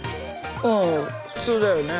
うん普通だよね。